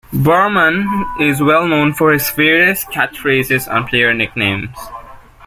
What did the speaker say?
Berman is well known for his various catchphrases and player nicknames.